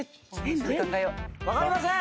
わかりません！